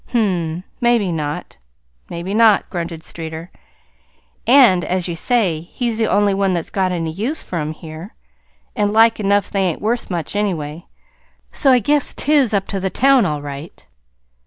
"Hm m; maybe not, maybe not," grunted Streeter. "An', as you say, he's the only one that's got any use for 'em here; an' like enough they ain't worth much, anyway. So I guess 't is up to the town all right."